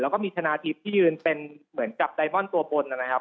แล้วก็มีชนะทิพย์ที่ยืนเป็นเหมือนกับไดมอนตัวบนนะครับ